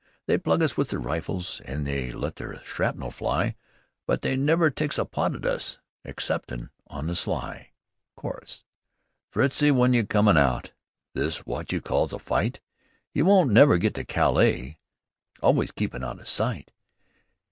They plug us with their rifles An' they let their shrapnel fly, But they never takes a pot at us Exceptin' on the sly. Chorus "Fritzie w'en you comin' out? This wot you calls a fight? You won't never get to Calais Always keepin' out o' sight.